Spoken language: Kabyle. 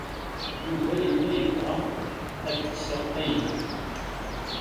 Yuba yella yebɣa ad d-iseɣ aydi.